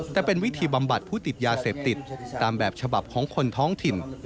แต่เป็นวิธีบำบัดผู้ติดยาเสพติดตามแบบฉบับของคนท้องถิ่น